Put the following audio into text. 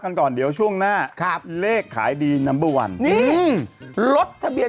กันก่อนเดี๋ยวช่วงหน้าครับเลขขายดีนัมเบอร์วันนี่รถทะเบียน